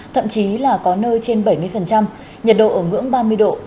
thậm chí là có nơi trên bảy mươi nhiệt độ ở ngưỡng ba mươi độ